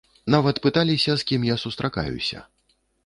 Нават пыталіся, з кім я сустракаюся.